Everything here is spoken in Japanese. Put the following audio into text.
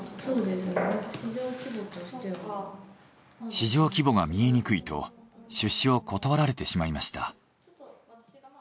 市場規模が見えにくいと出資を断られてしまいました。